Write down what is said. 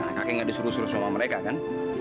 karena kakek nggak disuruh suruh sama mereka kan